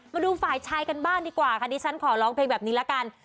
มาดูฝ่ายชายกันบ้างดีกว่าค่ะดิฉันขอร้องเพลงแบบนี้ละกัน